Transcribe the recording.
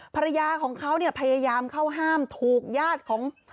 ภรรยาของเขาพยายามเข้าห้ามถูกยาดของ